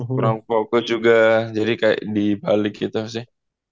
kurang fokus juga jadi kayak dibalik gitu sih